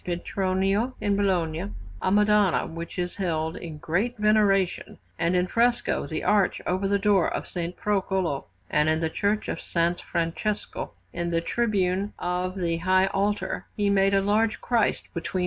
Petronio in Bologna), a Madonna which is held in great veneration; and in fresco, the arch over the door of S. Procolo; and in the Church of S. Francesco, in the tribune of the high altar, he made a large Christ between S.